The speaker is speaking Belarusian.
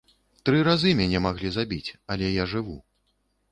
Тры разы мяне маглі забіць, але я жыву.